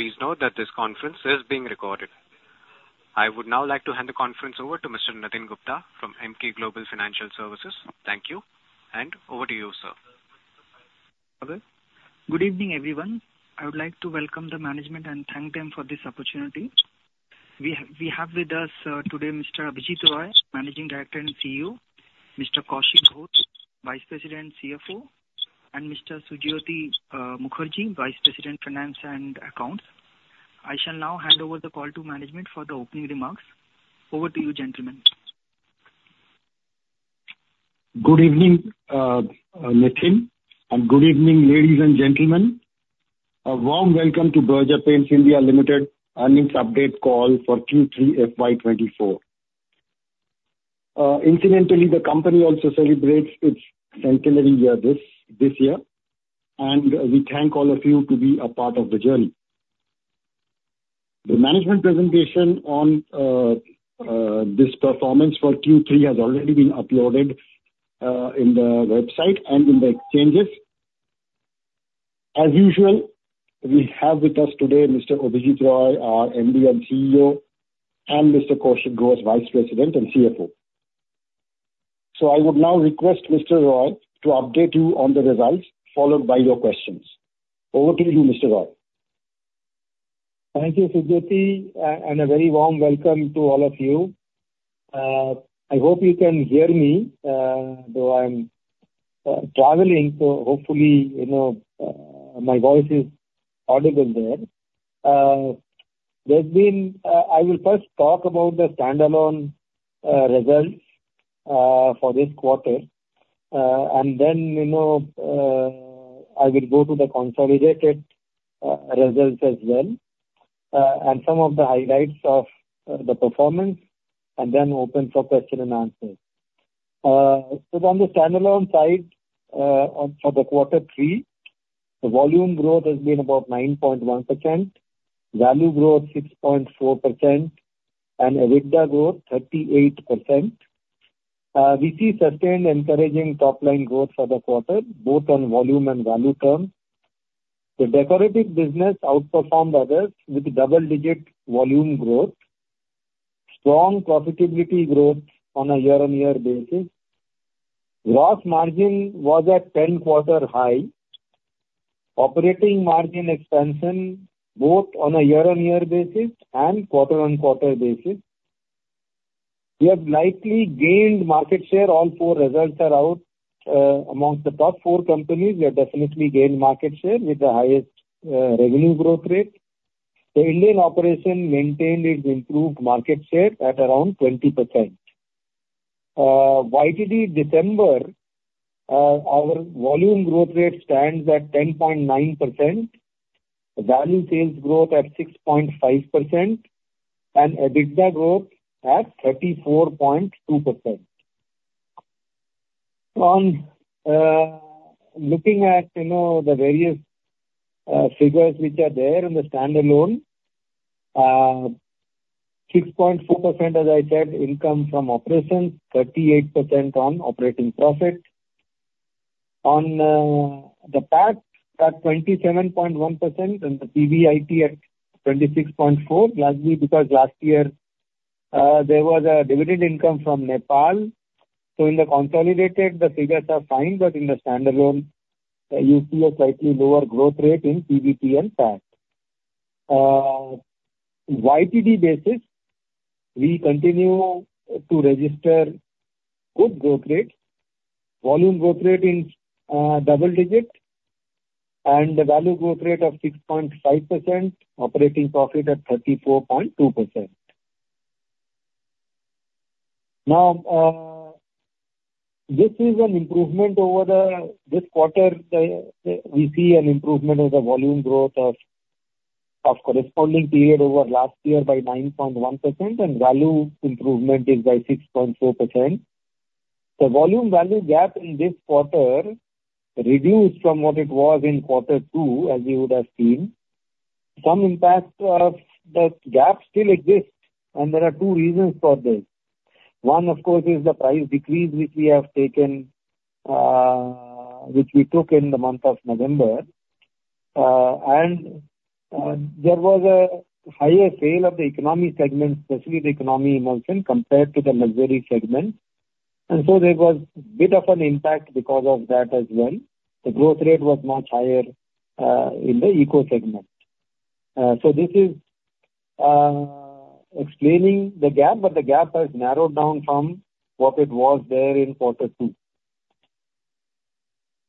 Please note that this conference is being recorded. I would now like to hand the conference over to Mr. Nitin Gupta from Emkay Global Financial Services. Thank you, and over to you, sir. Okay. Good evening, everyone. I would like to welcome the management and thank them for this opportunity. We have with us today Mr. Abhijit Roy, Managing Director and CEO, Mr. Kaushik Ghosh, Vice President and CFO, and Mr. Sujyoti Mukherjee, Vice President, Finance and Accounts. I shall now hand over the call to management for the opening remarks. Over to you, gentlemen. Good evening, Nitin, and good evening, ladies and gentlemen. A warm welcome to Berger Paints India Limited earnings update call for third quarter FY24. Incidentally, the company also celebrates its centenary year this year, and we thank all of you to be a part of the journey. The management presentation on this performance for third quarter has already been uploaded in the website and in the exchanges. As usual, we have with us today Mr. Abhijit Roy, our MD and CEO, and Mr. Kaushik Ghosh, Vice President and CFO. So I would now request Mr. Roy to update you on the results, followed by your questions. Over to you, Mr. Roy. Thank you, Sujyoti, and a very warm welcome to all of you. I hope you can hear me, though I'm traveling, so hopefully, you know, my voice is audible there. I will first talk about the standalone results for this quarter, and then, you know, I will go to the consolidated results as well, and some of the highlights of the performance, and then open for question and answer. So on the standalone side, on for the quarter three, the volume growth has been about 9.1%, value growth 6.4%, and EBITDA growth 38%. We see sustained, encouraging top-line growth for the quarter, both on volume and value terms. The decorative business outperformed others with double-digit volume growth, strong profitability growth on a year-on-year basis. Gross margin was at 10-quarter high. Operating margin expansion both on a year-on-year basis and quarter-on-quarter basis. We have likely gained market share. All four results are out. Amongst the top four companies, we have definitely gained market share with the highest, revenue growth rate. The Indian operation maintained its improved market share at around 20%. YTD December, our volume growth rate stands at 10.9%, value sales growth at 6.5%, and EBITDA growth at 34.2%. On looking at, you know, the various figures which are there in the standalone, 6.4%, as I said, income from operations, 38% on operating profit. The PAT at 27.1% and the PBIT at 26.4%, largely because last year, there was a dividend income from Nepal. So in the consolidated, the figures are fine, but in the standalone, you see a slightly lower growth rate in PBT and PAT. YTD basis, we continue to register good growth rate, volume growth rate in double digit, and the value growth rate of 6.5%, operating profit at 34.2%. Now, this is an improvement over the this quarter, we see an improvement in the volume growth of corresponding period over last year by 9.1%, and value improvement is by 6.4%. The volume value gap in this quarter reduced from what it was in quarter two, as you would have seen. Some impact of that gap still exists, and there are two reasons for this. One, of course, is the price decrease, which we have taken, which we took in the month of November. And, there was a higher sale of the economy segment, specifically the Economy Emulsion, compared to the Luxury Segment, and so there was bit of an impact because of that as well. The growth rate was much higher, in the eco segment. So this is, explaining the gap, but the gap has narrowed down from what it was there in quarter two.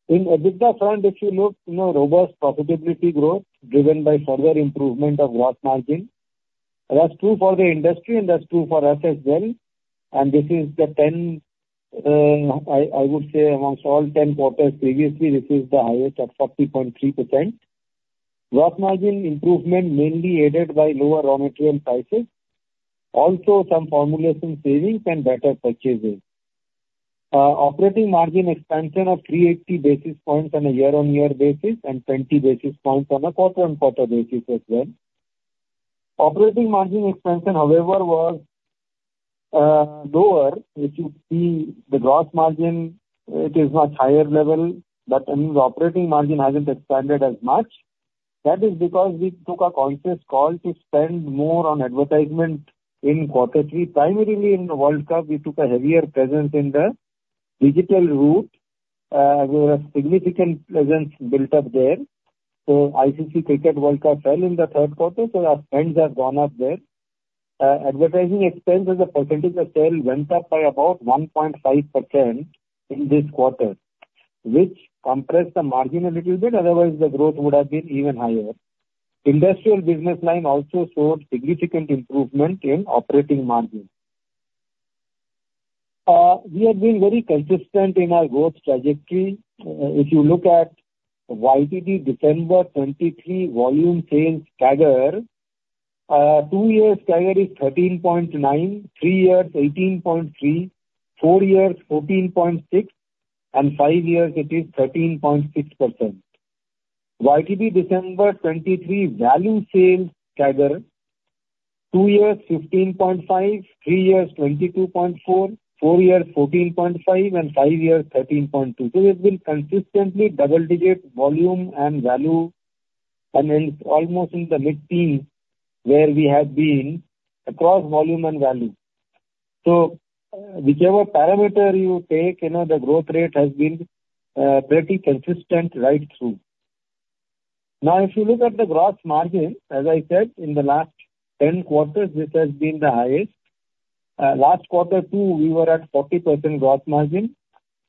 In EBITDA front, if you look, you know, robust profitability growth, driven by further improvement of gross margin. That's true for the industry, and that's true for us as well, and this is the 10, I would say amongst all 10 quarters previously, this is the highest at 30.3%. Gross margin improvement mainly aided by lower raw material prices, also some formulation savings and better purchases. Operating margin expansion of 380 basis points on a year-on-year basis and 20 basis points on a quarter-on-quarter basis as well. Operating margin expansion, however, was lower, if you see the gross margin, it is much higher level, but in the operating margin hasn't expanded as much. That is because we took a conscious call to spend more on advertisement in quarter three. Primarily in the World Cup, we took a heavier presence in the digital route. We have a significant presence built up there. So ICC Cricket World Cup fell in the third quarter, so our spends have gone up there. Advertising expense as a percentage of sales went up by about 1.5% in this quarter, which compressed the margin a little bit, otherwise the growth would have been even higher. Industrial business line also showed significant improvement in operating margin. We have been very consistent in our growth trajectory. If you look at YTD December 2023 volume sales CAGR, two years CAGR is 13.9, three years 18.3, four years 14.6, and five years it is 13.6%. YTD December 2023 value sales CAGR, two years 15.5, three years 22.4, four years 14.5, and five years 13.2. So it's been consistently double-digit volume and value, and is almost in the mid-teens, where we have been across volume and value. So, whichever parameter you take, you know, the growth rate has been pretty consistent right through. Now, if you look at the gross margin, as I said, in the last 10 quarters, this has been the highest. Last quarter too, we were at 40% gross margin.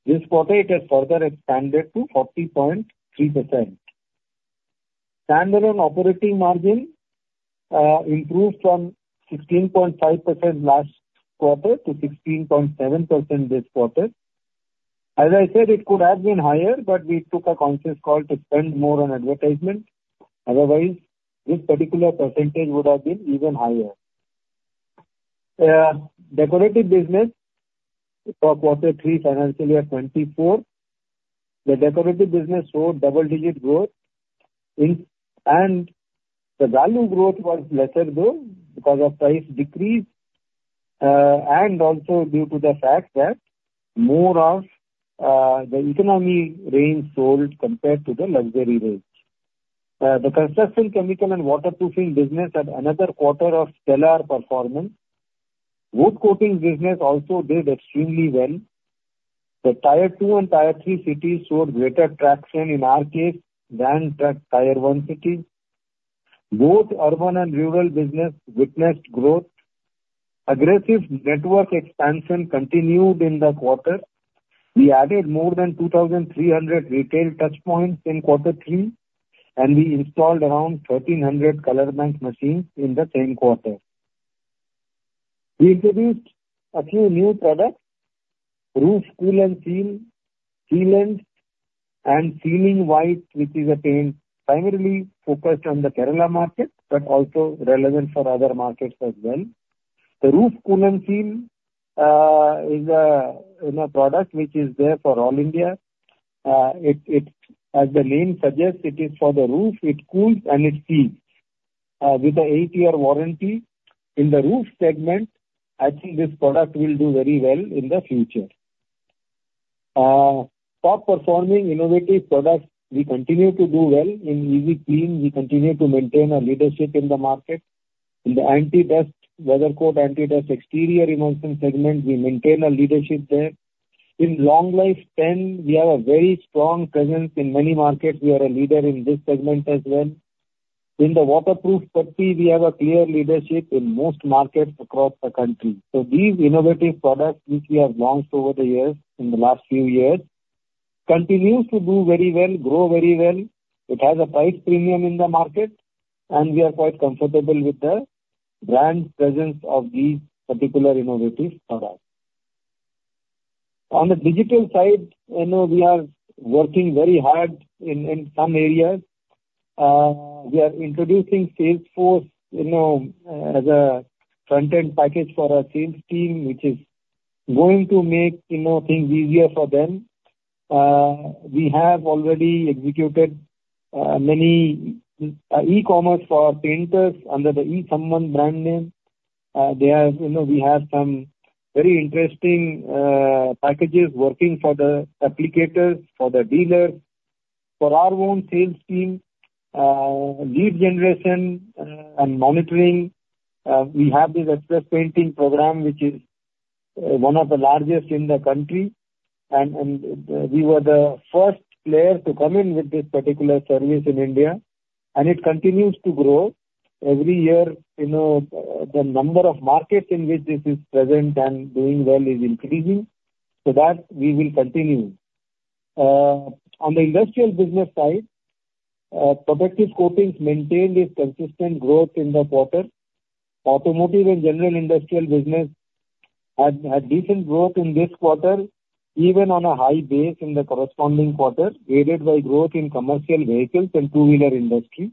This quarter it has further expanded to 40.3%. Standalone operating margin improved from 16.5% last quarter to 16.7% this quarter. As I said, it could have been higher, but we took a conscious call to spend more on advertisement. Otherwise, this particular percentage would have been even higher. Decorative business for quarter three, financial year 2024, the decorative business showed double-digit growth in... The value growth was lesser though, because of price decrease, and also due to the fact that more of the economy range sold compared to the luxury range. The construction chemical and waterproofing business had another quarter of stellar performance. Wood coating business also did extremely well. The Tier 2 and Tier 3 cities showed greater traction in our case than the Tier 1 cities. Both urban and rural business witnessed growth. Aggressive network expansion continued in the quarter. We added more than 2,300 retail touchpoints in quarter three, and we installed around 1,300 ColorBank machines in the same quarter. We introduced a few new products, Roof Kool & Seal, sealant and Ceiling White, which is a paint primarily focused on the Kerala market, but also relevant for other markets as well. The Roof Kool & Seal, you know, is a product which is there for all India. It, as the name suggests, is for the roof, it cools and it seals. With an 8-year warranty in the roof segment, I think this product will do very well in the future. Top-performing innovative products, we continue to do well. In Easy Clean, we continue to maintain our leadership in the market. In the anti-dust, WeatherCoat Anti Dust exterior emulsion segment, we maintain our leadership there. In long life span, we have a very strong presence in many markets. We are a leader in this segment as well. In the waterproof putty, we have a clear leadership in most markets across the country. So these innovative products, which we have launched over the years, in the last few years, continues to do very well, grow very well. It has a price premium in the market, and we are quite comfortable with the brand presence of these particular innovative products. On the digital side, you know, we are working very hard in some areas. We are introducing Salesforce, you know, as a front-end package for our sales team, which is going to make, you know, things easier for them. We have already executed many e-commerce for painters under the e-Sambandh brand name. We have some very interesting packages working for the applicators, for the dealers. For our own sales team, lead generation and monitoring, we have this Express Painting program, which is one of the largest in the country, and we were the first player to come in with this particular service in India, and it continues to grow. Every year, you know, the number of markets in which this is present and doing well is increasing, so that we will continue. On the industrial business side, protective coatings maintained a consistent growth in the quarter. Automotive and general industrial business had decent growth in this quarter, even on a high base in the corresponding quarter, aided by growth in commercial vehicles and two-wheeler industry.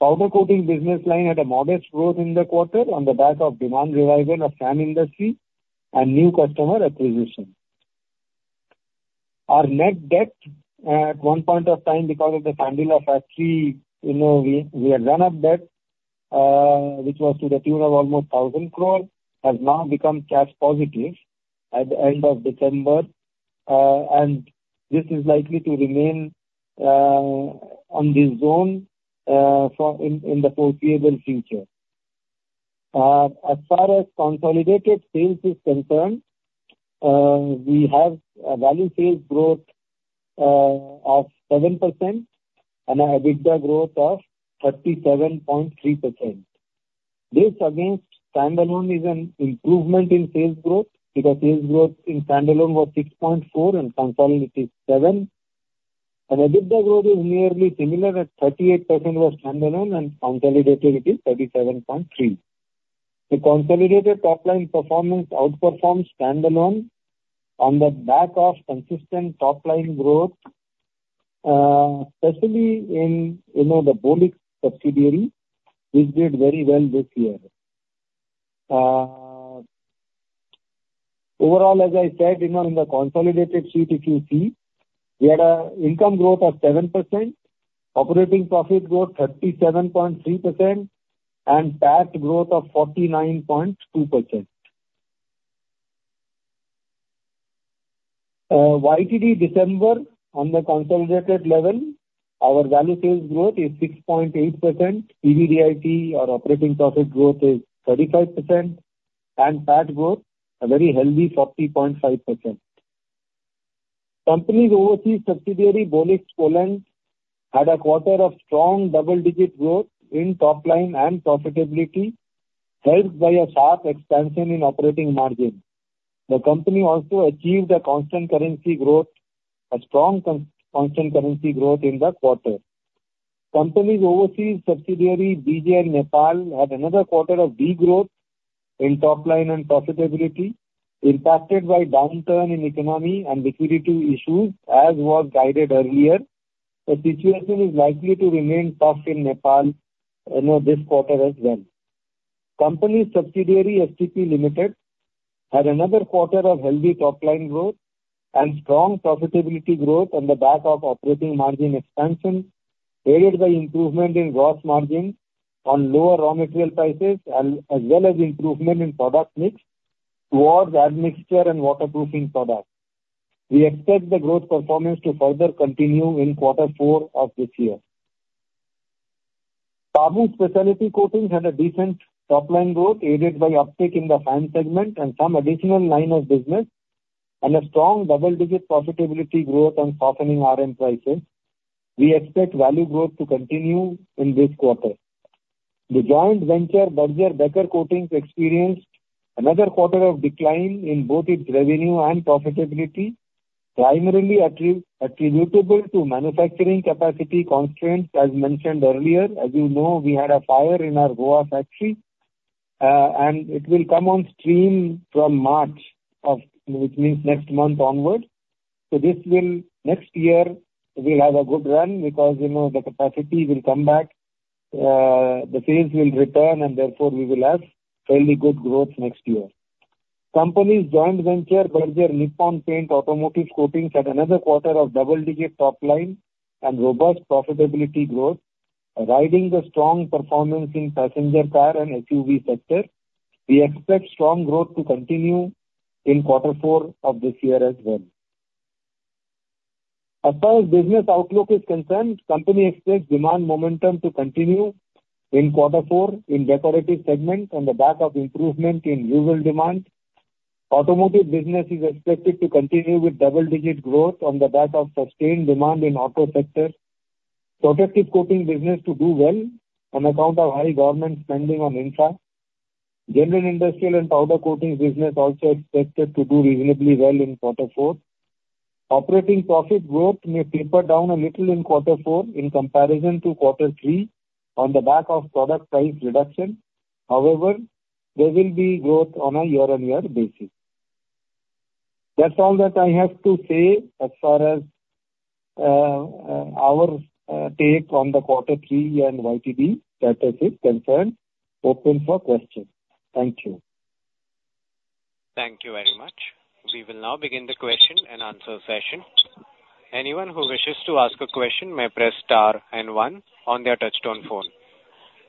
Powder coating business line had a modest growth in the quarter on the back of demand revival of fan industry and new customer acquisition. Our net debt, at one point of time because of the Sandila factory, you know, we had run up debt, which was to the tune of almost 1,000 crore, has now become cash positive at the end of December. And this is likely to remain on this zone in the foreseeable future. As far as consolidated sales is concerned, we have a value sales growth of 7% and an EBITDA growth of 37.3%. This, against standalone, is an improvement in sales growth, because sales growth in standalone was 6.4, and consolidated, 7. And EBITDA growth is nearly similar at 38% for standalone, and consolidated, it is 37.3. The consolidated top line performance outperforms standalone on the back of consistent top line growth, especially in, you know, the Bolix subsidiary, which did very well this year. Overall, as I said, you know, in the consolidated sheet, if you see, we had a income growth of 7%, operating profit growth 37.3%, and tax growth of 49.2%. YTD December on the consolidated level, our value sales growth is 6.8%, EBITDA or operating profit growth is 35%, and tax growth, a very healthy 40.5%. Company's overseas subsidiary, Bolix Poland, had a quarter of strong double-digit growth in top line and profitability, helped by a sharp expansion in operating margin. The company also achieved a constant currency growth, a strong constant currency growth in the quarter. Company's overseas subsidiary, BJN Nepal, had another quarter of degrowth in top line and profitability, impacted by downturn in economy and liquidity issues, as was guided earlier. The situation is likely to remain tough in Nepal, you know, this quarter as well. Company's subsidiary, STP Limited, had another quarter of healthy top line growth and strong profitability growth on the back of operating margin expansion, aided by improvement in gross margin on lower raw material prices, and as well as improvement in product mix towards admixture and waterproofing products. We expect the growth performance to further continue in quarter four of this year. Saboo Specialty Coatings had a decent top line growth, aided by uptick in the fan segment and some additional line of business, and a strong double-digit profitability growth on softening RM prices. We expect value growth to continue in this quarter. The joint venture, Berger Becker Coatings, experienced another quarter of decline in both its revenue and profitability, primarily attributable to manufacturing capacity constraints, as mentioned earlier. As you know, we had a fire in our Goa factory, and it will come on stream from March of... which means next month onward. So this will, next year we'll have a good run because, you know, the capacity will come back, the sales will return, and therefore we will have fairly good growth next year. Company's joint venture, Berger Nippon Paint Automotive Coatings, had another quarter of double-digit top line and robust profitability growth, riding the strong performance in passenger car and SUV sector. We expect strong growth to continue in quarter four of this year as well. As far as business outlook is concerned, company expects demand momentum to continue in quarter four in decorative segment on the back of improvement in rural demand. Automotive business is expected to continue with double-digit growth on the back of sustained demand in auto sector. Protective coating business to do well on account of high government spending on infra. General industrial and powder coatings business also expected to do reasonably well in quarter four. Operating profit growth may taper down a little in quarter four in comparison to quarter three on the back of product price reduction. However, there will be growth on a year-on-year basis. That's all that I have to say as far as our take on the quarter three and YTD status is concerned. Open for questions. Thank you. Thank you very much. We will now begin the question and answer session. Anyone who wishes to ask a question may press star and one on their touchtone phone.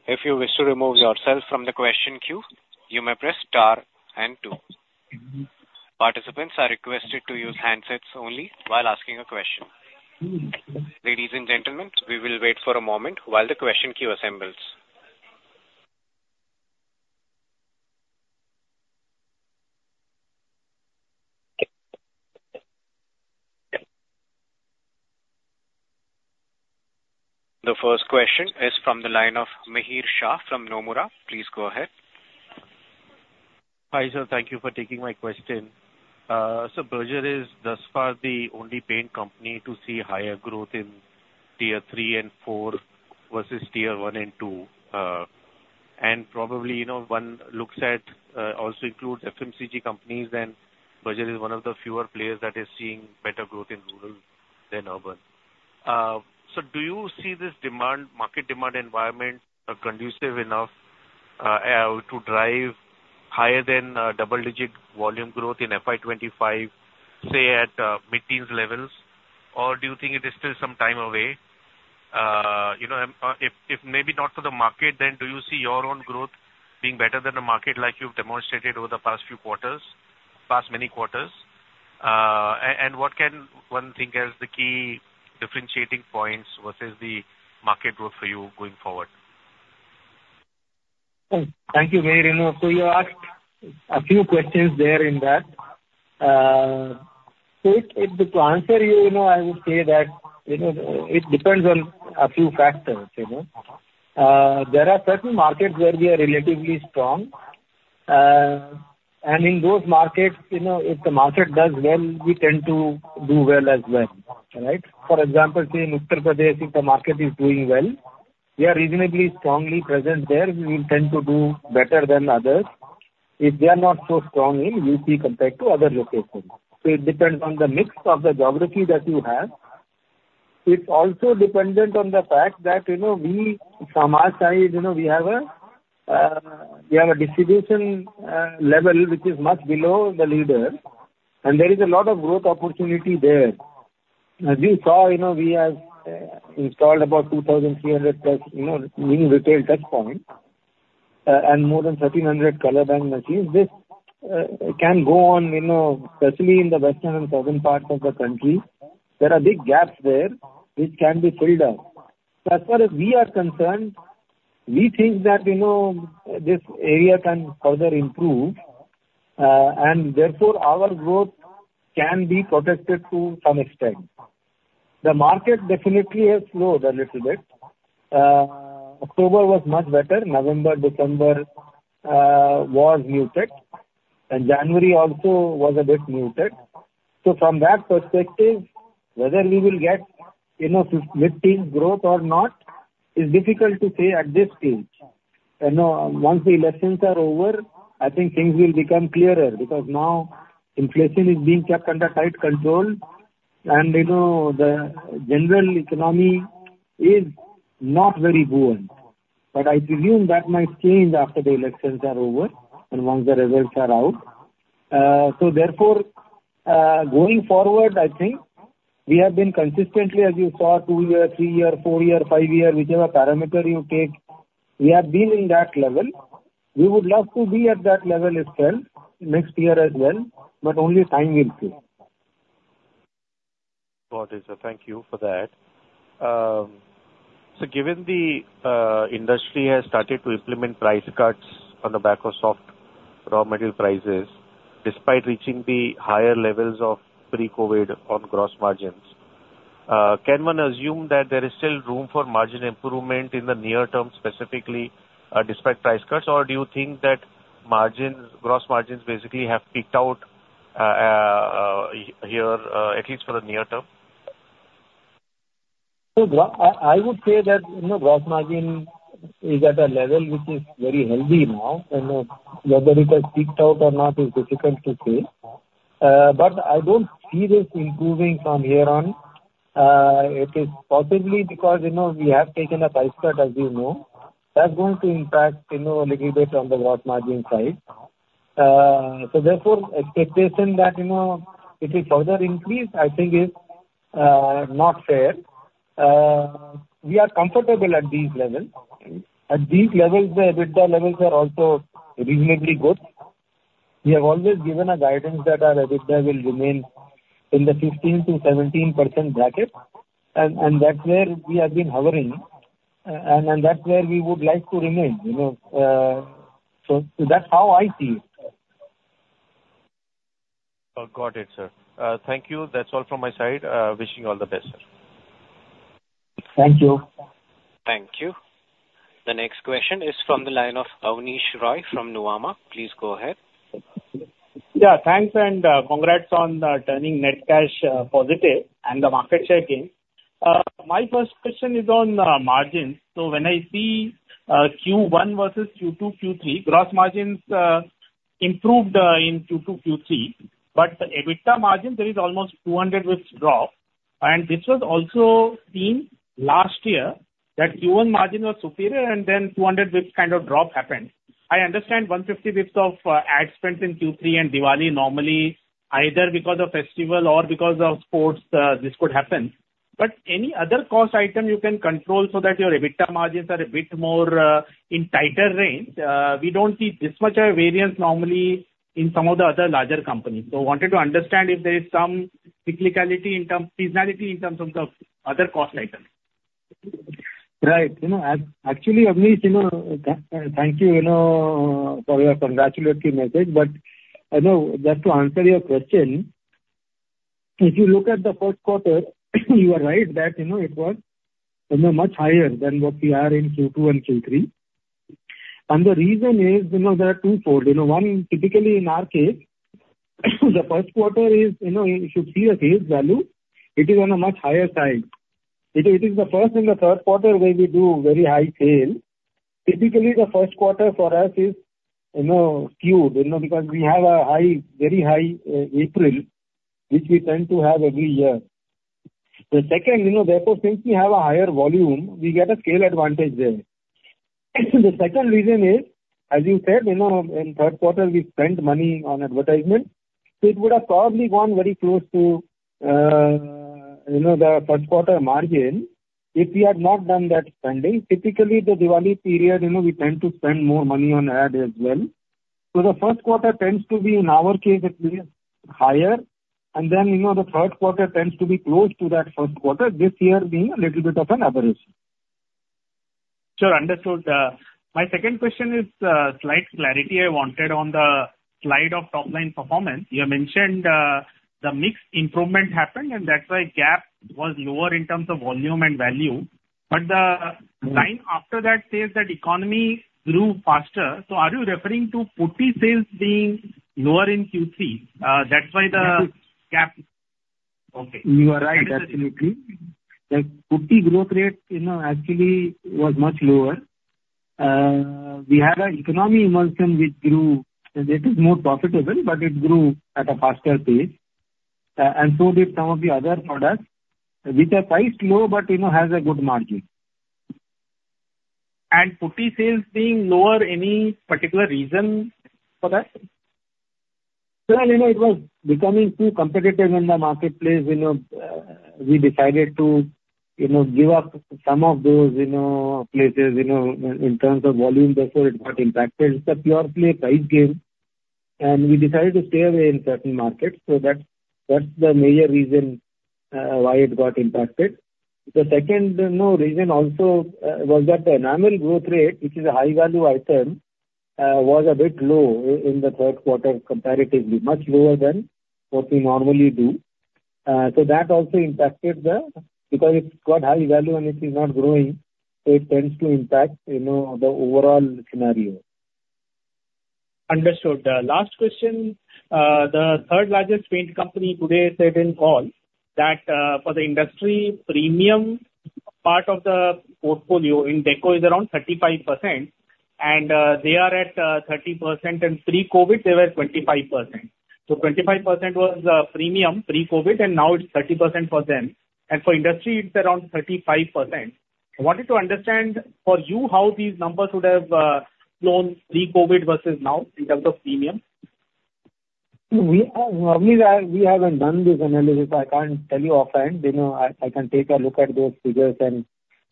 If you wish to remove yourself from the question queue, you may press star and two. Mm-hmm. Participants are requested to use handsets only while asking a question. Mm-hmm. Ladies and gentlemen, we will wait for a moment while the question queue assembles. The first question is from the line of Mihir Shah from Nomura. Please go ahead. Hi, sir. Thank you for taking my question. So Berger is thus far the only paint company to see higher growth in Tier 3 and 4 versus Tier 1 and 2. And probably, you know, one looks at, also includes FMCG companies, and Berger is one of the fewer players that is seeing better growth in rural than urban. So do you see this demand, market demand environment, conducive enough to drive higher than double digit volume growth in FY 2025, say at mid-teens levels, or do you think it is still some time away? You know, if maybe not for the market, then do you see your own growth being better than the market, like you've demonstrated over the past few quarters, past many quarters? What can one think as the key differentiating points versus the market growth for you going forward? Thank you very, Renu. So you asked a few questions there in that. So if, to answer you, you know, I would say that, you know, it depends on a few factors, you know. There are certain markets where we are relatively strong. And in those markets, you know, if the market does well, we tend to do well as well, right? For example, say, in Uttar Pradesh, if the market is doing well, we are reasonably strongly present there. We will tend to do better than others if they are not so strong in UP compared to other locations. So it depends on the mix of the geography that you have. It's also dependent on the fact that, you know, we, from our side, you know, we have a distribution level which is much below the leader, and there is a lot of growth opportunity there. As you saw, you know, we have installed about 2,300 plus, you know, new retail touchpoints, and more than 1,300 ColorBank machines. This can go on, you know, especially in the western and southern parts of the country. There are big gaps there which can be filled up. So as far as we are concerned, we think that, you know, this area can further improve, and therefore our growth can be protected to some extent. The market definitely has slowed a little bit. October was much better. November, December, was muted, and January also was a bit muted. So from that perspective, whether we will get, you know, mid-teen growth or not is difficult to say at this stage. You know, once the elections are over, I think things will become clearer because now inflation is being kept under tight control, and, you know, the general economy is not very buoyant. But I presume that might change after the elections are over and once the results are out. So therefore, going forward, I think we have been consistently, as you saw, 2-year, 3-year, 4-year, 5-year, whichever parameter you take, we have been in that level. We would love to be at that level as well next year as well, but only time will tell. Got it, sir. Thank you for that. So given the industry has started to implement price cuts on the back of soft raw material prices, despite reaching the higher levels of pre-COVID on gross margins, can one assume that there is still room for margin improvement in the near term, specifically, despite price cuts? Or do you think that margins, gross margins basically have peaked out here, at least for the near term? I would say that, you know, gross margin is at a level which is very healthy now, and whether it has peaked out or not is difficult to say. But I don't see this improving from here on. It is possibly because, you know, we have taken a price cut, as you know. That's going to impact, you know, a little bit on the gross margin side. So therefore, expectation that, you know, it will further increase, I think is not fair. We are comfortable at these levels. At these levels, the EBITDA levels are also reasonably good. We have always given a guidance that our EBITDA will remain in the 15% to 17% bracket, and that's where we have been hovering, and that's where we would like to remain, you know, so that's how I see it. Got it, sir. Thank you. That's all from my side. Wishing you all the best, sir. Thank you. Thank you. The next question is from the line of Abneesh Roy from Nuvama. Please go ahead. Yeah, thanks, and congrats on turning net cash positive and the market share gain. My first question is on margins. So when I see first quarter versus second quarter, third quarter, gross margins improved in second quarter, third quarter, but the EBITDA margins, there is almost 200 basis points drop. And this was also seen last year, that first quarter margin was superior, and then 200 basis points kind of drop happened. I understand 150 basis points of ad spend in third quarter and Diwali normally, either because of festival or because of sports, this could happen. But any other cost item you can control so that your EBITDA margins are a bit more in tighter range? We don't see this much a variance normally in some of the other larger companies. So, wanted to understand if there is some cyclicality in terms of seasonality in terms of the other cost items. Right. You know, actually, Abneesh, you know, thank you, you know, for your congratulatory message. But, you know, just to answer your question, if you look at the first quarter, you are right that, you know, it was, you know, much higher than what we are in second quarter and third quarter. And the reason is, you know, there are twofold. You know, one, typically in our case, the first quarter is, you know, you should see a face value. It is on a much higher side. It, it is the first and the third quarter where we do very high sale. Typically, the first quarter for us is, you know, skewed, you know, because we have a high, very high, April, which we tend to have every year. The second, you know, therefore, since we have a higher volume, we get a scale advantage there. The second reason is, as you said, you know, in third quarter, we spent money on advertisement, so it would have probably gone very close to, you know, the first quarter margin if we had not done that spending. Typically, the Diwali period, you know, we tend to spend more money on ad as well. So the first quarter tends to be, in our case, it is higher, and then, you know, the third quarter tends to be close to that first quarter, this year being a little bit of an aberration. Sure, understood. My second question is, slight clarity I wanted on the slide of top-line performance. You have mentioned, the mix improvement happened, and that's why gap was lower in terms of volume and value. But the... Mm. line after that says that the economy grew faster, so are you referring to putty sales being lower in third quarter? That's why the gap... That is... Okay. You are right, absolutely. The putty growth rate, you know, actually was much lower. We had an Economy Emulsion which grew, and it is more profitable, but it grew at a faster pace. And so did some of the other products, which are priced low, but, you know, has a good margin. Putty sales being lower, any particular reason for that? Well, you know, it was becoming too competitive in the marketplace. You know, we decided to, you know, give up some of those, you know, places, you know, in terms of volume, therefore, it got impacted. It's purely a price game, and we decided to stay away in certain markets, so that's the major reason why it got impacted. The second, you know, reason also was that the enamel growth rate, which is a high-value item, was a bit low in the third quarter, comparatively. Much lower than what we normally do. So that also impacted the... Because it's got high value and it is not growing, so it tends to impact, you know, the overall scenario. Understood. Last question. The third-largest paint company today said in call that, for the industry, premium part of the portfolio in deco is around 35%, and they are at 30%. In pre-COVID, they were 25%. So 25% was premium pre-COVID, and now it's 30% for them. And for industry, it's around 35%. I wanted to understand, for you, how these numbers would have flown pre-COVID versus now, in terms of premium? We normally we haven't done this analysis, so I can't tell you offhand. You know, I can take a look at those figures, and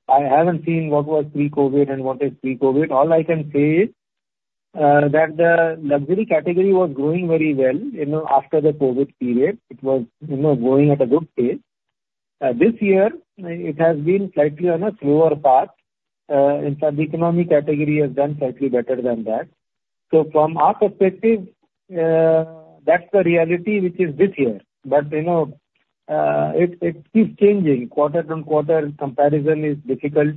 I haven't seen what was pre-COVID and what is pre-COVID. All I can say is that the luxury category was growing very well, you know, after the COVID period. It was, you know, growing at a good pace. This year it has been slightly on a slower path. In fact, the economy category has done slightly better than that. So from our perspective, that's the reality, which is this year. But, you know, it keeps changing. Quarter-over-quarter comparison is difficult.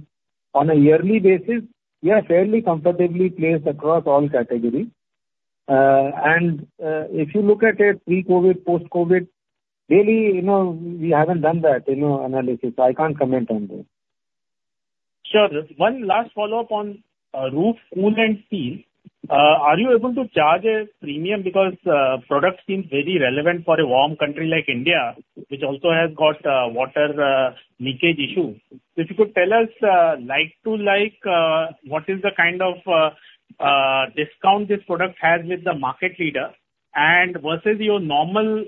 On a yearly basis, we are fairly comfortably placed across all categories. If you look at it pre-COVID, post-COVID, really, you know, we haven't done that, you know, analysis, so I can't comment on this. Sure. One last follow-up on roof cool and clean. Are you able to charge a premium? Because product seems very relevant for a warm country like India, which also has got water leakage issue. If you could tell us like to like what is the kind of discount this product has with the market leader, and versus your normal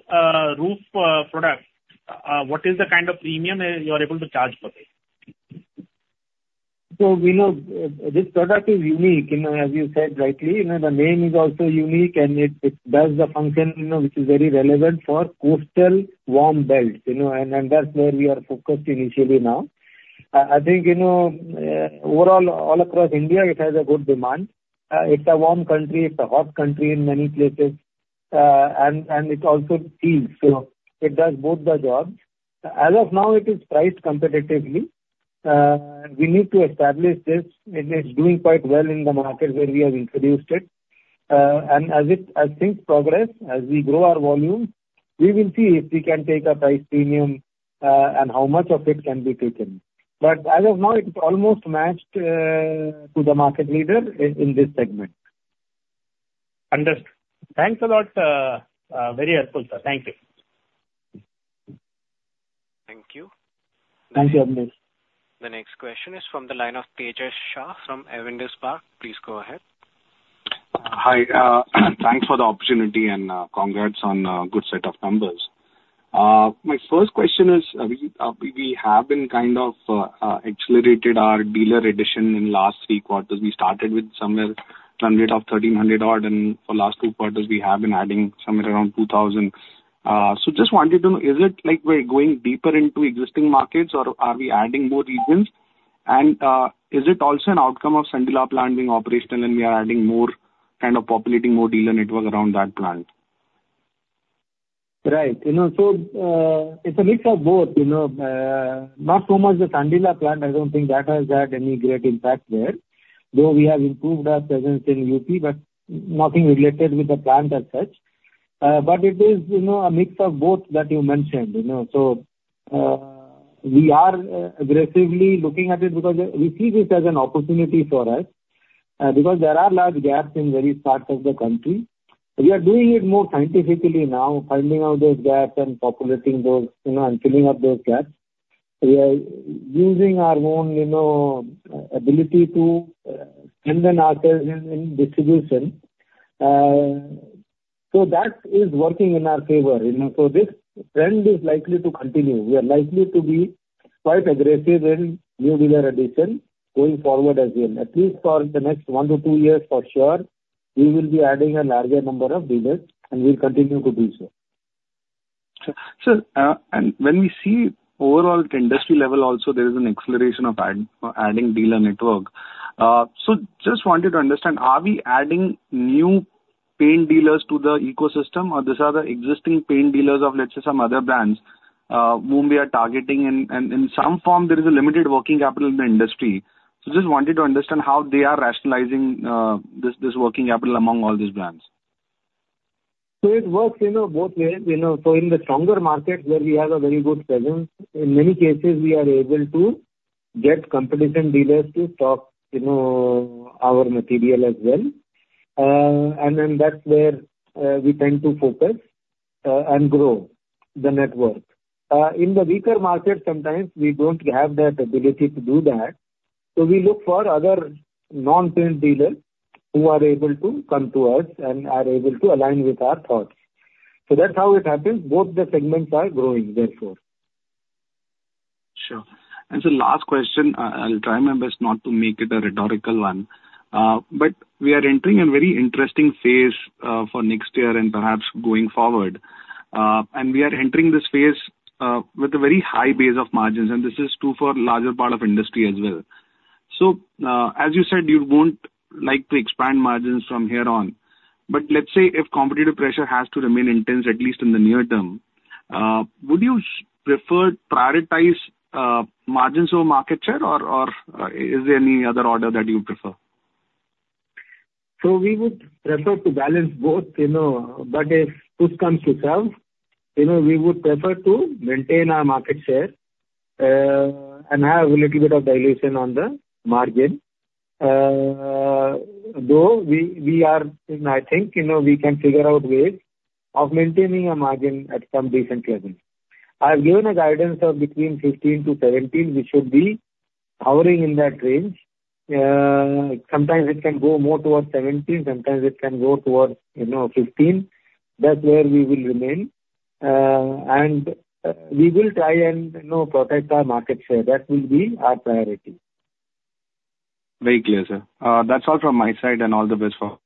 roof product what is the kind of premium you are able to charge for this? We know, this product is unique, you know, as you said rightly. You know, the name is also unique, and it, it does the function, you know, which is very relevant for coastal warm belts, you know, and, and that's where we are focused initially now. I think, you know, overall, all across India, it has a good demand. It's a warm country, it's a hot country in many places, and, and it also chills. So it does both the jobs. As of now, it is priced competitively. We need to establish this, and it's doing quite well in the markets where we have introduced it. And as it, as things progress, as we grow our volumes, we will see if we can take a price premium, and how much of it can be taken. But as of now, it's almost matched to the market leader in this segment. Understood. Thanks a lot, very helpful, sir. Thank you. Thank you. Thank you, Abneesh. The next question is from the line of Tejas Shah from Avendus Spark. Please go ahead. Hi. Thanks for the opportunity, and congrats on a good set of numbers. My first question is, we have been kind of accelerated our dealer addition in last three quarters. We started with somewhere around 1,300 odd, and for last two quarters, we have been adding somewhere around 2,000. So just wanted to know, is it like we're going deeper into existing markets, or are we adding more regions? And is it also an outcome of Sandila plant being operational, and we are adding more, kind of populating more dealer network around that plant? Right. You know, so, it's a mix of both, you know. Not so much the Sandila plant, I don't think that has had any great impact there, though we have improved our presence in UP, but nothing related with the plant as such. But it is, you know, a mix of both that you mentioned, you know. So, we are aggressively looking at it because we see this as an opportunity for us, because there are large gaps in various parts of the country. We are doing it more scientifically now, finding out those gaps and populating those, you know, and filling up those gaps. We are using our own, you know, ability to strengthen our presence in distribution. So that is working in our favor, you know, so this trend is likely to continue. We are likely to be quite aggressive in new dealer addition going forward as well. At least for the next 1-2 years for sure, we will be adding a larger number of dealers, and we'll continue to do so. Sir, when we see overall industry level also, there is an acceleration of adding dealer network. So just wanted to understand, are we adding new paint dealers to the ecosystem, or these are the existing paint dealers of, let's say, some other brands, whom we are targeting? And in some form there is a limited working capital in the industry. So just wanted to understand how they are rationalizing, this working capital among all these brands. So it works, you know, both ways, you know. So in the stronger markets where we have a very good presence, in many cases, we are able to get competition dealers to stock, you know, our material as well. And then that's where we tend to focus and grow the network. In the weaker markets, sometimes we don't have that ability to do that, so we look for other non-paint dealers who are able to come to us and are able to align with our thoughts. So that's how it happens. Both the segments are growing therefore. Sure. And so last question, I'll try my best not to make it a rhetorical one. But we are entering a very interesting phase, for next year and perhaps going forward. And we are entering this phase, with a very high base of margins, and this is true for larger part of industry as well. So, as you said, you won't like to expand margins from here on, but let's say if competitive pressure has to remain intense, at least in the near term, would you prefer prioritize, margins over market share, or, or, is there any other order that you prefer? So we would prefer to balance both, you know, but if push comes to shove, you know, we would prefer to maintain our market share, and have a little bit of dilution on the margin. Though we are, you know, I think, you know, we can figure out ways of maintaining a margin at some decent level. I've given a guidance of between 15% to 17%, we should be hovering in that range. Sometimes it can go more towards 17, sometimes it can go towards, you know, 15. That's where we will remain. And we will try and, you know, protect our market share. That will be our priority. Very clear, sir. That's all from my side, and all the best for.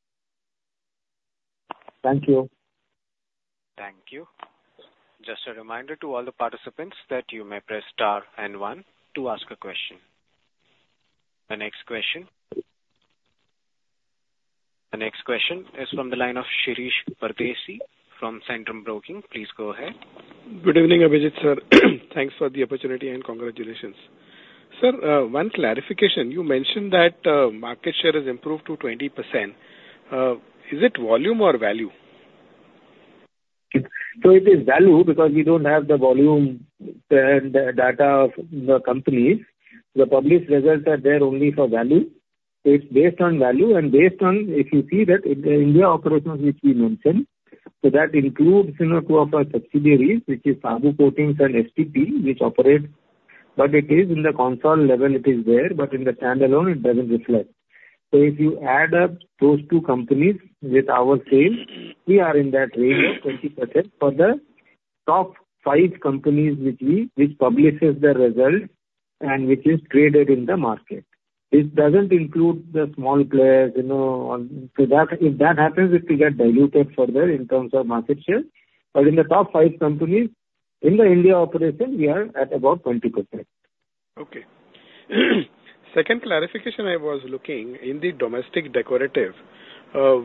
Thank you. Thank you. Just a reminder to all the participants that you may press star and one to ask a question. The next question? The next question is from the line of Shirish Pardeshi from Centrum Broking. Please go ahead. Good evening, Abhijit, sir. Thanks for the opportunity and congratulations. Sir, one clarification: You mentioned that market share has improved to 20%. Is it volume or value? So it is value, because we don't have the volume, the data of the companies. The published results are there only for value. It's based on value and based on, if you see that the India operations which we mentioned, so that includes, you know, two of our subsidiaries, which is Saboo Coatings and STP, which operates... But it is in the consolidated level, it is there, but in the standalone, it doesn't reflect. So if you add up those two companies with our sales, we are in that range of 20% for the top five companies which we, which publishes the results and which is traded in the market. This doesn't include the small players, you know, so that, if that happens, it will get diluted further in terms of market share. But in the top five companies, in the India operation, we are at about 20%. Okay. Second clarification I was looking, in the domestic decorative,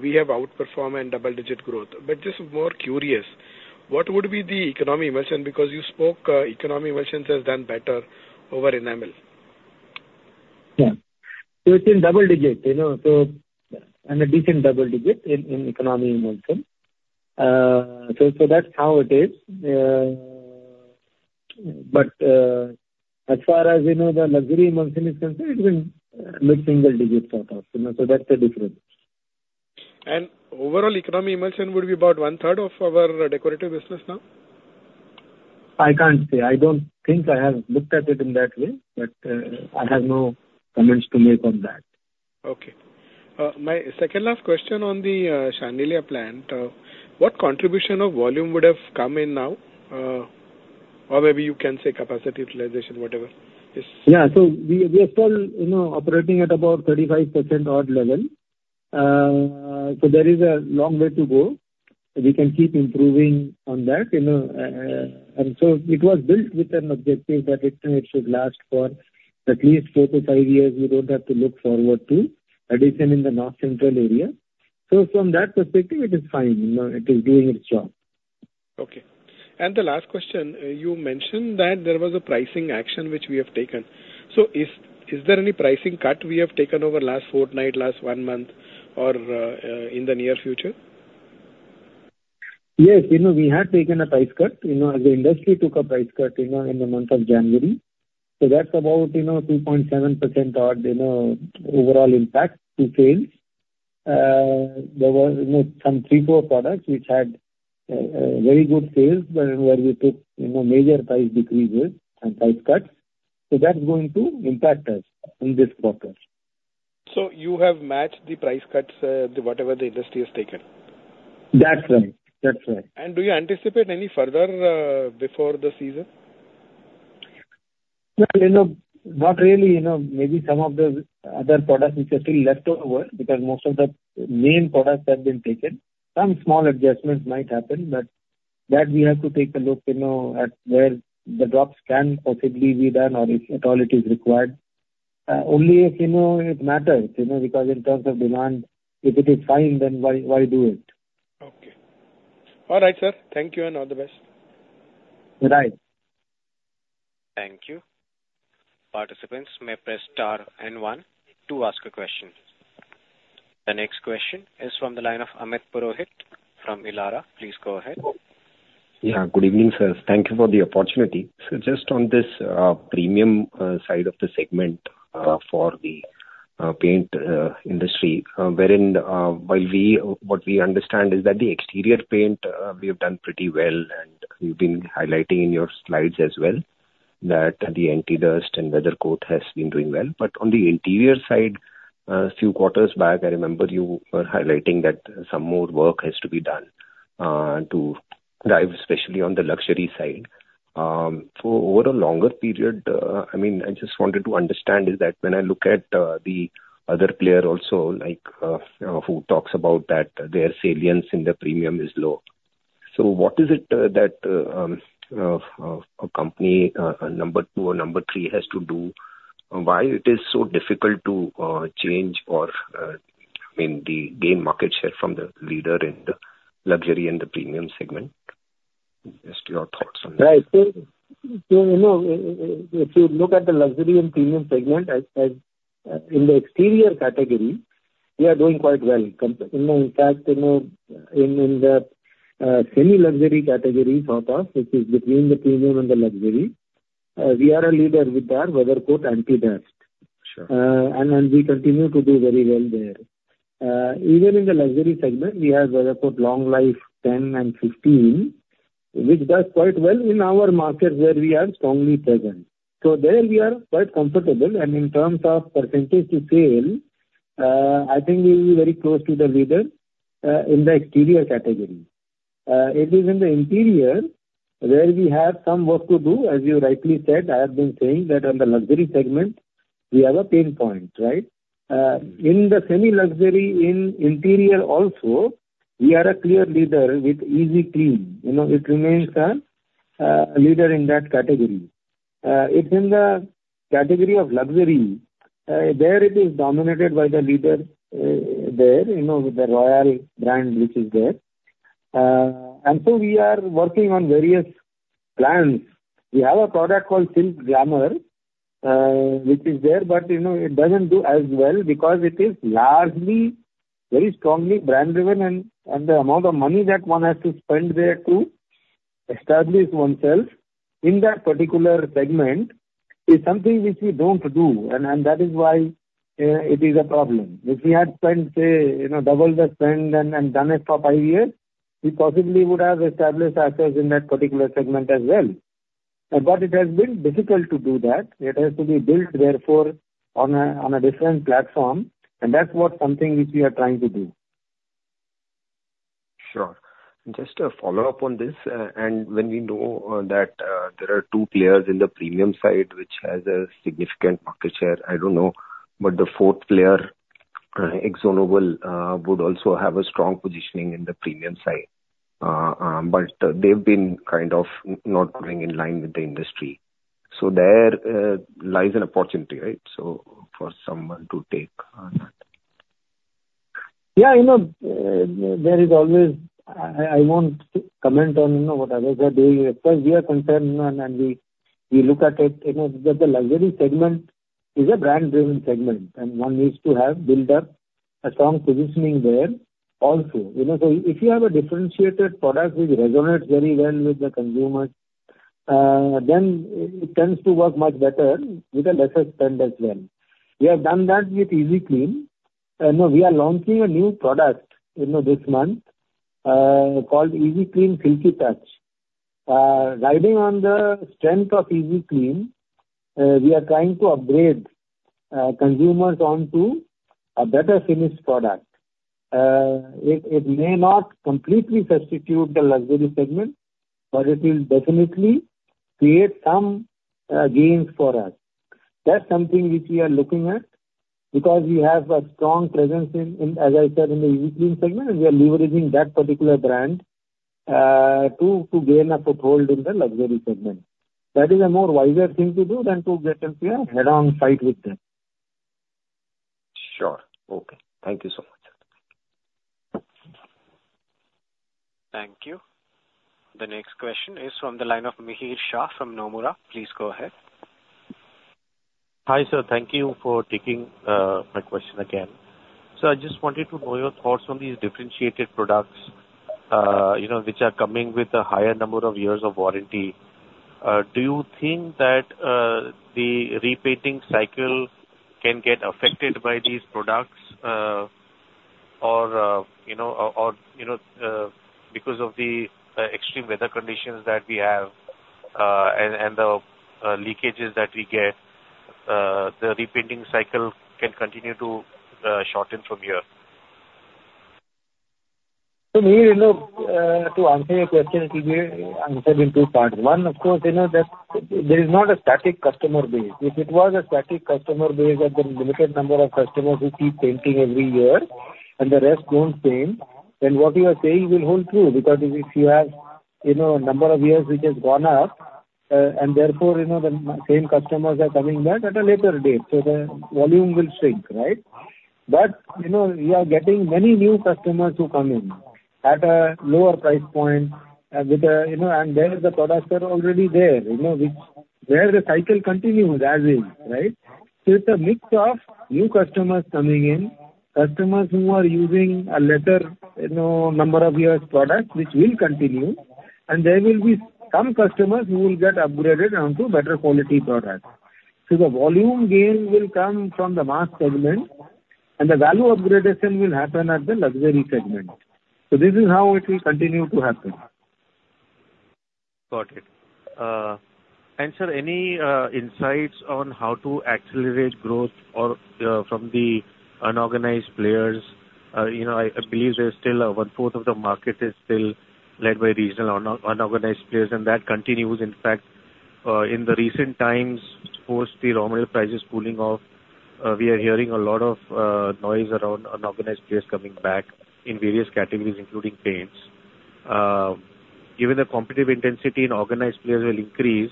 we have outperformed double-digit growth. But just more curious, what would be the economy emulsion? Because you spoke, economy emulsions has done better over enamel. Yeah. So it's in double-digit, you know, so, and a decent double-digit in Economy Emulsion. So, that's how it is. But, as far as, you know, the Luxury Emulsion is concerned, it's been mid-single digits sort of, you know, so that's the difference. Overall Economy Emulsion would be about one third of our decorative business now? I can't say. I don't think I have looked at it in that way, but, I have no comments to make on that. Okay. My second-last question on the Sandila plant: What contribution of volume would have come in now, or maybe you can say capacity utilization, whatever, yes? Yeah. So we are still, you know, operating at about 35% odd level. So there is a long way to go, and we can keep improving on that, you know, and so it was built with an objective that it should last for at least 4-5 years. We don't have to look forward to addition in the north central area. So from that perspective, it is fine. You know, it is doing its job. Okay. The last question, you mentioned that there was a pricing action which we have taken. So is there any pricing cut we have taken over last fortnight, last one month, or in the near future? Yes, you know, we had taken a price cut. You know, as the industry took a price cut, you know, in the month of January. So that's about, you know, 2.7% odd, you know, overall impact to sales. There were, you know, some 3-4 products which had very good sales, but where we took, you know, major price decreases and price cuts. So that's going to impact us in this quarter. So you have matched the price cuts to whatever the industry has taken? That's right. That's right. Do you anticipate any further before the season? Well, you know, not really. You know, maybe some of the other products which are still left over, because most of the main products have been taken. Some small adjustments might happen, but that we have to take a look, you know, at where the drops can possibly be done or if at all it is required. Only if, you know, it matters, you know, because in terms of demand, if it is fine, then why, why do it? Okay. All right, sir. Thank you, and all the best. Right. Thank you. Participants may press star and one to ask a question. The next question is from the line of Amit Purohit from Elara. Please go ahead. Yeah, good evening, sir. Thank you for the opportunity. So just on this, premium side of the segment, for the paint industry, wherein while we—what we understand is that the exterior paint, we have done pretty well, and you've been highlighting in your slides as well, that the Anti Dust and WeatherCoat has been doing well. But on the interior side, a few quarters back, I remember you were highlighting that some more work has to be done, to drive, especially on the luxury side. So over a longer period, I mean, I just wanted to understand is that when I look at the other player also, like, who talks about that their salience in the premium is low. So what is it that a company number 2 or number 3 has to do? Why it is so difficult to change or, I mean, to gain market share from the leader in the luxury and the premium segment? Just your thoughts on that. Right. So, you know, if you look at the luxury and premium segment, as in the exterior category, we are doing quite well. In fact, you know, in the semi-luxury category for us, which is between the premium and the luxury, we are a leader with our WeatherCoat Anti Dust. Sure. We continue to do very well there. Even in the luxury segment, we have WeatherCoat Long Life 10 and 15, which does quite well in our markets, where we are strongly present. So there we are quite comfortable, and in terms of percentage to sale, I think we'll be very close to the leader in the exterior category. It is in the interior, where we have some work to do. As you rightly said, I have been saying that on the luxury segment, we have a pain point, right? In the semi-luxury, in interior also, we are a clear leader with Easy Clean. You know, it remains a leader in that category. It is in the category of luxury, there it is dominated by the leader, there, you know, with the Royale brand, which is there. And so we are working on various brands. We have a product called Silk Glamor, which is there, but you know, it doesn't do as well because it is largely, very strongly brand driven, and the amount of money that one has to spend there to establish oneself in that particular segment is something which we don't do, and that is why it is a problem. If we had spent, say, you know, double the spend and done it for five years, we possibly would have established ourselves in that particular segment as well. But it has been difficult to do that. It has to be built therefore on a different platform, and that's something which we are trying to do. Sure. Just a follow-up on this, and when we know that there are two players in the premium side, which has a significant market share, I don't know, but the fourth player, AkzoNobel, would also have a strong positioning in the premium side. But they've been kind of not moving in line with the industry. So there lies an opportunity, right? So for someone to take on that. Yeah, you know, there is always... I won't comment on, you know, what others are doing. As far as we are concerned, and we look at it, you know, that the luxury segment is a brand-driven segment, and one needs to have built up a strong positioning there also. You know, so if you have a differentiated product which resonates very well with the consumers, then it tends to work much better with a lesser spend as well. We have done that with Easy Clean. Now we are launching a new product, you know, this month, called Easy Clean Silky Touch. Riding on the strength of Easy Clean, we are trying to upgrade consumers onto a better finished product. It may not completely substitute the luxury segment, but it will definitely create some gains for us. That's something which we are looking at, because we have a strong presence in, as I said, in the Easy Clean segment, and we are leveraging that particular brand to gain a foothold in the luxury segment. That is a more wiser thing to do than to get into a head-on fight with them. Sure. Okay. Thank you so much. Thank you. The next question is from the line of Mihir Shah from Nomura. Please go ahead. Hi, sir. Thank you for taking my question again. So I just wanted to know your thoughts on these differentiated products, you know, which are coming with a higher number of years of warranty. Do you think that the repainting cycle can get affected by these products, or you know, or because of the extreme weather conditions that we have, and the leakages that we get, the repainting cycle can continue to shorten from here? So we, you know, to answer your question, it will be answered in two parts. One, of course, you know that there is not a static customer base. If it was a static customer base and the limited number of customers who keep painting every year and the rest don't paint, then what you are saying will hold true. Because if you have, you know, number of years which has gone up, and therefore, you know, the same customers are coming back at a later date, so the volume will shrink, right? But, you know, we are getting many new customers who come in at a lower price point, with, you know, and there the products are already there, you know, which where the cycle continues as is, right? So it's a mix of new customers coming in, customers who are using a later, you know, number of years product, which will continue, and there will be some customers who will get upgraded onto better quality products. So the volume gain will come from the mass segment, and the value upgradation will happen at the luxury segment. So this is how it will continue to happen. Got it. And, sir, any insights on how to accelerate growth or from the unorganized players? You know, I believe there's still a one-fourth of the market is still led by regional or unorganized players, and that continues. In fact, in the recent times, post the raw material prices cooling off, we are hearing a lot of noise around unorganized players coming back in various categories, including paints. Given the competitive intensity in organized players will increase,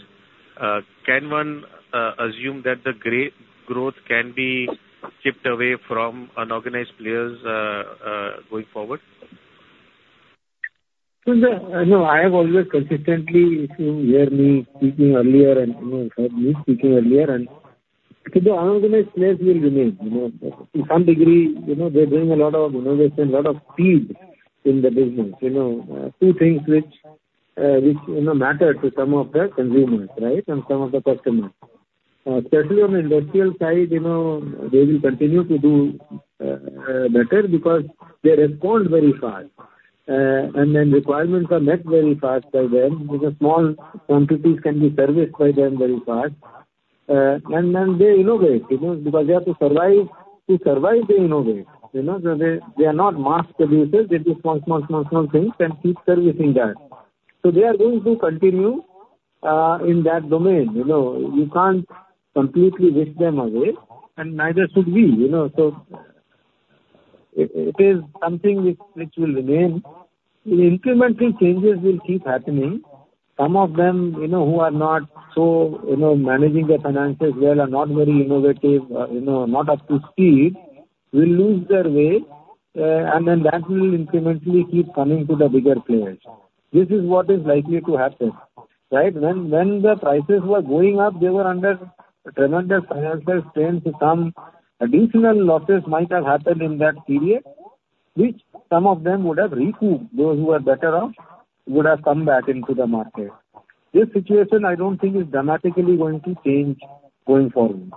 can one assume that the gray growth can be chipped away from unorganized players, going forward? No, I have always consistently, if you hear me speaking earlier, you know, the unorganized players will remain, you know. To some degree, you know, they're doing a lot of innovation, a lot of speed in the business, you know, two things which you know matter to some of the consumers, right? And some of the customers. Especially on industrial side, you know, they will continue to do better because they respond very fast. And then requirements are met very fast by them, because small quantities can be serviced by them very fast. And then they innovate, you know, because they have to survive. To survive, they innovate. You know, so they are not mass producers. They do small, small, small, small things and keep servicing that. So they are going to continue in that domain. You know, you can't completely wish them away, and neither should we, you know. So it is something which will remain. Incremental changes will keep happening. Some of them, you know, who are not so, you know, managing their finances well and not very innovative, you know, not up to speed, will lose their way, and then that will incrementally keep coming to the bigger players. This is what is likely to happen, right? When the prices were going up, they were under tremendous financial strain to come. Additional losses might have happened in that period, which some of them would have recouped. Those who are better off would have come back into the market. This situation, I don't think, is dramatically going to change going forward.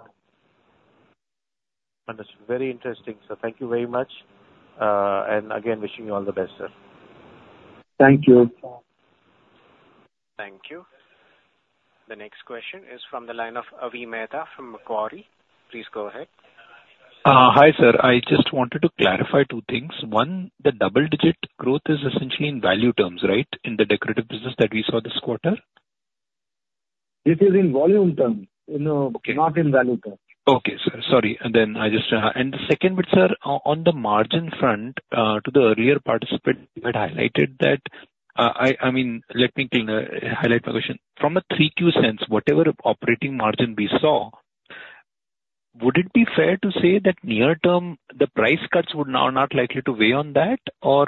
Understood. Very interesting, sir. Thank you very much. And again, wishing you all the best, sir. Thank you. Thank you. The next question is from the line of Avi Mehta from Macquarie. Please go ahead. Hi, sir. I just wanted to clarify two things. One, the double digit growth is essentially in value terms, right? In the decorative business that we saw this quarter. It is in volume terms, you know... Okay. Not in value terms. Okay, sir. Sorry. And then I just... and the second bit, sir, on the margin front, to the earlier participant had highlighted that, I mean, let me clearly highlight my question. From a 3Q sense, whatever operating margin we saw, would it be fair to say that near-term, the price cuts would now not likely to weigh on that? Or,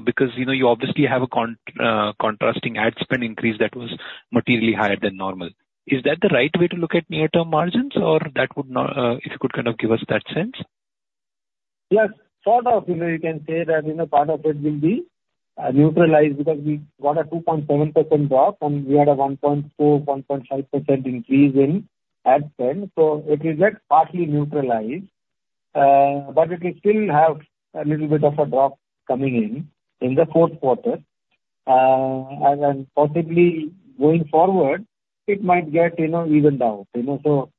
because, you know, you obviously have a contrasting ad spend increase that was materially higher than normal. Is that the right way to look at near-term margins, or that would not... If you could kind of give us that sense? Yes. Sort of, you know, you can say that, you know, part of it will be neutralized because we got a 2.7% drop, and we had a 1.4-1.5% increase in ad spend, so it will get partly neutralized. But it will still have a little bit of a drop coming in, in the fourth quarter. And then possibly going forward, it might get, you know, evened out, you know? So,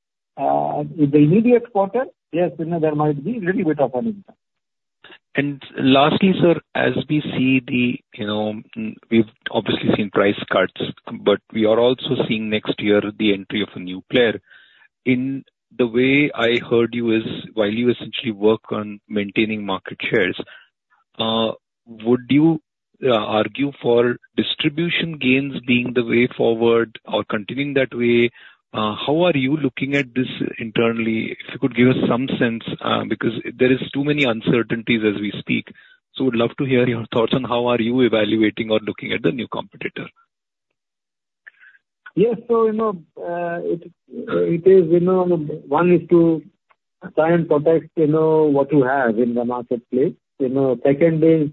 in the immediate quarter, yes, you know, there might be little bit of an impact. And lastly, sir, as we see the, you know, we've obviously seen price cuts, but we are also seeing next year the entry of a new player. In the way I heard you is, while you essentially work on maintaining market shares, would you argue for distribution gains being the way forward or continuing that way? How are you looking at this internally? If you could give us some sense, because there is too many uncertainties as we speak. So would love to hear your thoughts on how are you evaluating or looking at the new competitor. Yes, so, you know, it is, you know, one is to try and protect, you know, what you have in the marketplace. You know, second is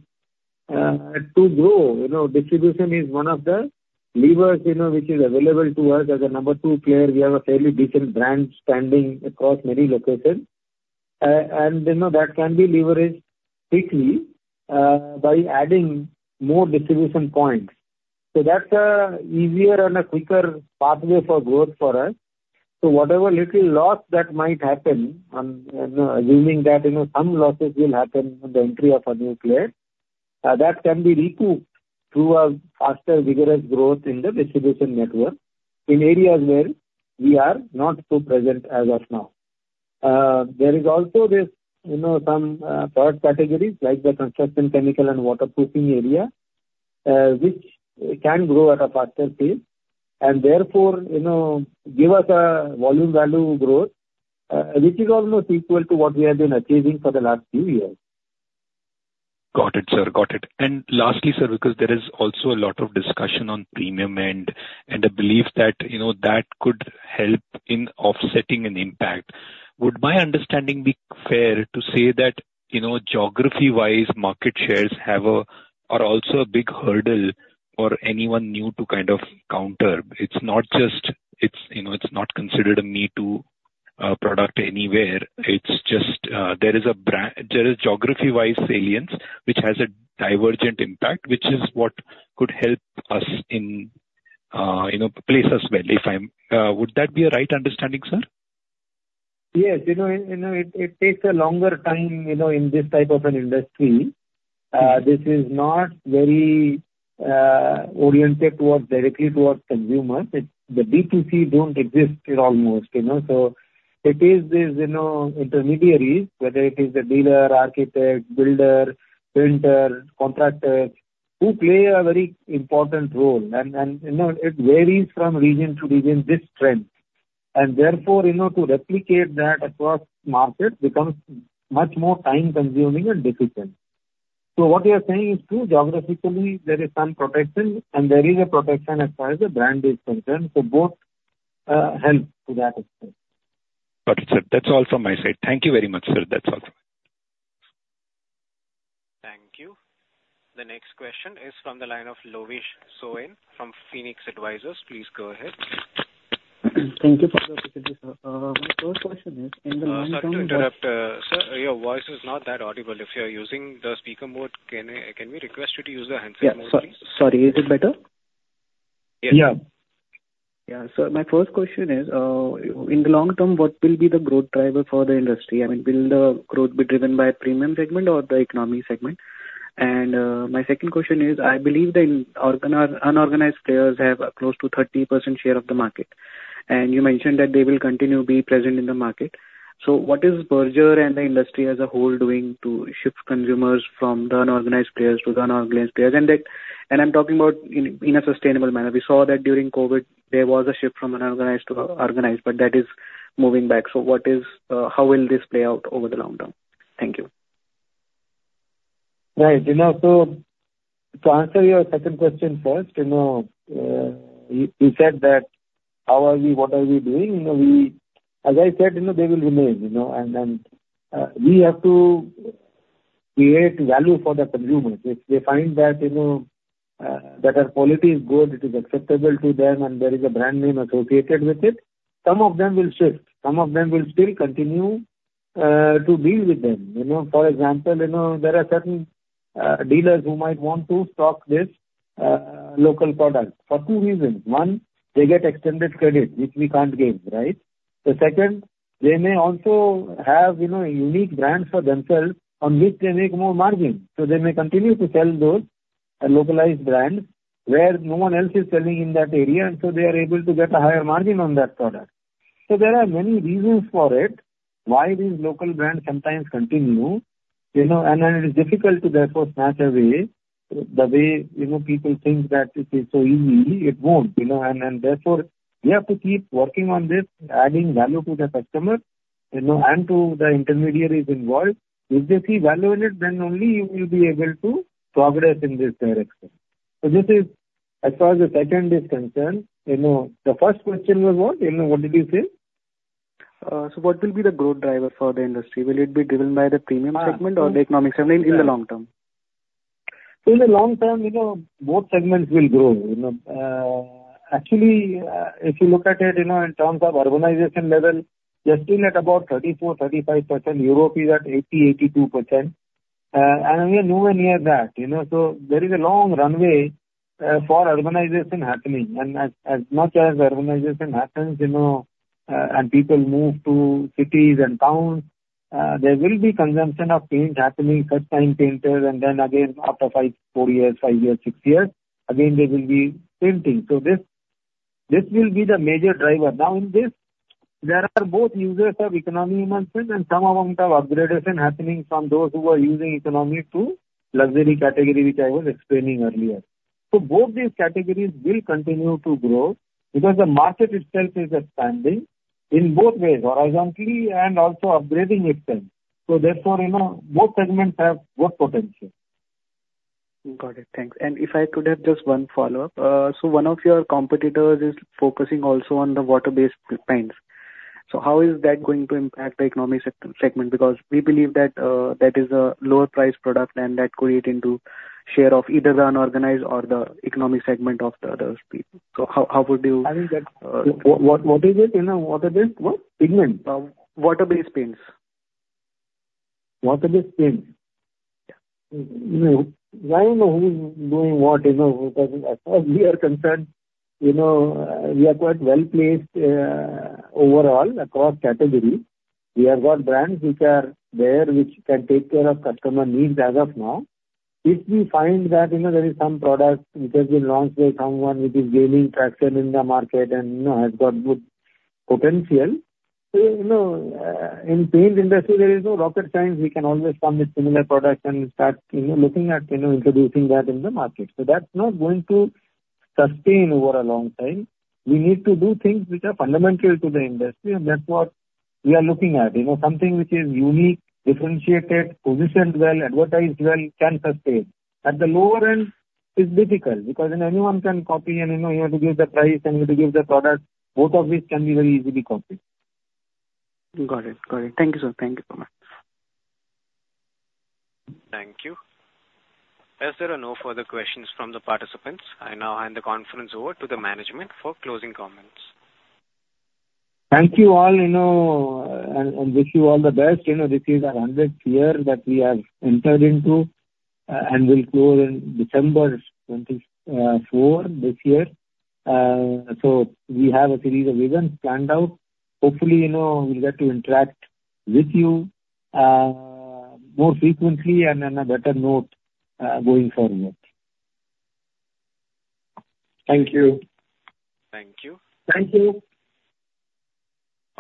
to grow. You know, distribution is one of the levers, you know, which is available to us. As a number two player, we have a fairly decent brand standing across many locations. And, you know, that can be leveraged quickly by adding more distribution points. So that's an easier and a quicker pathway for growth for us. So whatever little loss that might happen on, you know, assuming that, you know, some losses will happen with the entry of a new player, that can be recouped through a faster, vigorous growth in the distribution network in areas where we are not so present as of now. There is also this, you know, some product categories like the construction chemical and waterproofing area, which can grow at a faster pace, and therefore, you know, give us a volume value growth, which is almost equal to what we have been achieving for the last few years. Got it, sir. Got it. And lastly, sir, because there is also a lot of discussion on premium and, and a belief that, you know, that could help in offsetting an impact. Would my understanding be fair to say that, you know, geography-wise, market shares are also a big hurdle for anyone new to kind of counter? It's not just, it's, you know, it's not considered a me-too product anywhere. It's just, there is geography-wise salience, which has a divergent impact, which is what could help us in, you know, place us well, if I'm... Would that be a right understanding, sir? Yes. You know, it takes a longer time, you know, in this type of an industry. This is not very oriented towards directly towards consumers. The D2C don't exist here almost, you know? So it is this, you know, intermediaries, whether it is a dealer, architect, builder, painter, contractors, who play a very important role. And you know, it varies from region to region, this trend, and therefore, you know, to replicate that across markets becomes much more time-consuming and difficult. So what you're saying is true. Geographically, there is some protection, and there is a protection as far as the brand is concerned, so both help to that extent. Got it, sir. That's all from my side. Thank you very much, sir. That's all. Thank you. The next question is from the line of Lovish Soien from Phoenix Advisers. Please go ahead. Thank you for the opportunity, sir. My first question is, in the long term... Sorry to interrupt, sir, your voice is not that audible. If you're using the speaker mode, can we request you to use the handset mode, please? Yeah, sorry, is it better? Yes. Yeah. Yeah. So my first question is, in the long term, what will be the growth driver for the industry? I mean, will the growth be driven by premium segment or the economy segment? And my second question is, I believe the unorganized players have close to 30% share of the market, and you mentioned that they will continue to be present in the market. So what is Berger and the industry as a whole doing to shift consumers from the unorganized players to the organized players? And that, I'm talking about in a sustainable manner. We saw that during COVID, there was a shift from unorganized to organized, but that is moving back. So what is... How will this play out over the long term? Thank you. Right. You know, so to answer your second question first, you know, you said that, how are we, what are we doing? You know, we, as I said, you know, they will remain, you know, and then, we have to create value for the consumers. If they find that, you know, that our quality is good, it is acceptable to them, and there is a brand name associated with it, some of them will shift, some of them will still continue to deal with them. You know, for example, you know, there are certain dealers who might want to stock this local product for two reasons: One, they get extended credit, which we can't give, right? The second, they may also have, you know, unique brands for themselves on which they make more margin, so they may continue to sell those, localized brands where no one else is selling in that area, and so they are able to get a higher margin on that product. So there are many reasons for it, why these local brands sometimes continue, you know, and then it is difficult to therefore snatch away the way, you know, people think that it is so easy. It won't, you know, and, and therefore we have to keep working on this, adding value to the customer, you know, and to the intermediaries involved. If they see value in it, then only you will be able to progress in this direction. So this is as far as the second is concerned, you know. The first question was what? You know, what did you say? What will be the growth driver for the industry? Will it be driven by the premium segment or the economy segment in the long term? In the long term, you know, both segments will grow, you know. Actually, if you look at it, you know, in terms of urbanization level, we're still at about 34-35%. Europe is at 80-82%. And we are nowhere near that, you know, so there is a long runway for urbanization happening. And as much as urbanization happens, you know, and people move to cities and towns, there will be consumption of paint happening, first-time painters, and then again, after 5, 4 years, 5 years, 6 years, again, there will be painting. So this, this will be the major driver. Now in this, there are both users of economy segment and some amount of upgradation happening from those who are using economy to luxury category, which I was explaining earlier. So both these categories will continue to grow because the market itself is expanding in both ways, horizontally and also upgrading itself. So therefore, you know, both segments have growth potential. Got it. Thanks. And if I could have just one follow-up. So one of your competitors is focusing also on the water-based paints. So how is that going to impact the economy segment? Because we believe that that is a lower price product, and that could eat into share of either the unorganized or the economic segment of the other people. So how would you... I think that... What, what is it, you know, water-based what? Pigment? Water-based paints. Water-based paints? Yeah. No, I don't know who is doing what, you know, because as far as we are concerned, you know, we are quite well-placed, overall across categories. We have got brands which are there, which can take care of customer needs as of now. If we find that, you know, there is some product which has been launched by someone, which is gaining traction in the market and, you know, has got good potential, so, you know, in paint industry, there is no rocket science. We can always come with similar products and start, you know, looking at, you know, introducing that in the market. So that's not going to sustain over a long time. We need to do things which are fundamental to the industry, and that's what we are looking at. You know, something which is unique, differentiated, positioned well, advertised well, can sustain. At the lower end, it's difficult, because then anyone can copy and, you know, you have to give the price and you have to give the product. Both of these can be very easily copied. Got it. Got it. Thank you, sir. Thank you so much. Thank you. As there are no further questions from the participants, I now hand the conference over to the management for closing comments. Thank you all, you know, and, and wish you all the best. You know, this is our hundredth year that we have entered into, and will close in December 2024 this year. So we have a series of events planned out. Hopefully, you know, we'll get to interact with you, more frequently and on a better note, going forward. Thank you. Thank you. Thank you!